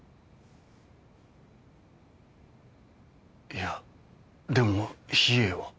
いやでも秘影は。